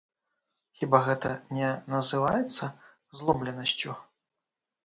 Хіба гэта не называецца зломленасцю?